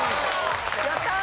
やったー！